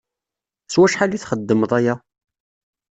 S wacḥal i txeddmeḍ aya?